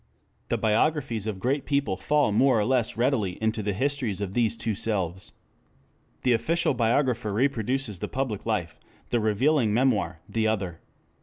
The biographies of great people fall more or less readily into the histories of these two selves. The official biographer reproduces the public life, the revealing memoir the other.